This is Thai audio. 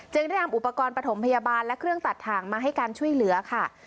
ได้นำอุปกรณ์ปฐมพยาบาลและเครื่องตัดถ่างมาให้การช่วยเหลือค่ะ